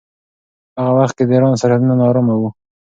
په هغه وخت کې د ایران سرحدونه ناارامه وو.